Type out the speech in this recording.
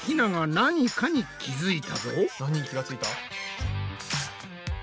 何に気が付いた？